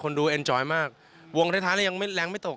คนดูสนุกมากวงท้ายแล้วยังแรงไม่ตก